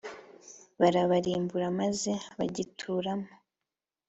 barabarimbura maze bagituramo+